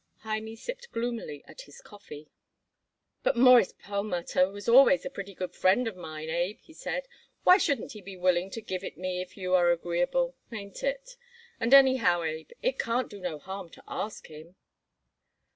Hymie sipped gloomily at his coffee. "But Mawruss Perlmutter was always a pretty good friend of mine, Abe," he said. "Why shouldn't he be willing to give it me if you are agreeable? Ain't it? And, anyhow, Abe, it can't do no harm to ask him."